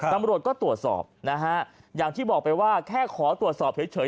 ตำรวจก็ตรวจสอบนะฮะอย่างที่บอกไปว่าแค่ขอตรวจสอบเฉย